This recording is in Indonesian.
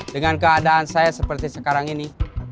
dengan keadaan saya seperti sekarang ini